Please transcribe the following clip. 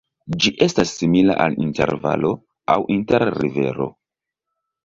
Ĝi estas simila al inter-valo aŭ inter-rivero.